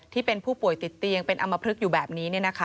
ที่เป็นผู้ป่วยติดเตียงเป็นอำมพลึกอยู่แบบนี้